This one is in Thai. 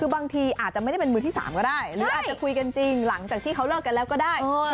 คือบางทีอาจจะไม่ได้เป็นมือที่๓ก็ได้